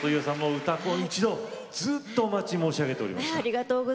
「うたコン」一同ずっとお待ち申しておりました。